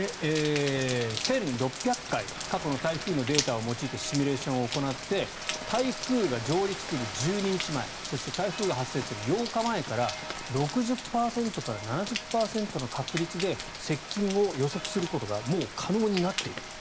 １６００回過去の台風のデータを用いてシミュレーションを行って台風が上陸する１２日前そして台風が発生する８日前から６０％から７０％の確率で接近を予測することがもう可能になっている。